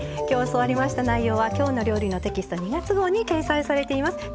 今日教わりました内容は「きょうの料理」のテキスト２月号に掲載されています。